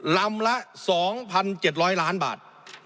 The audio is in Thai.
ลำละ๒๗๐๐ล้านบาท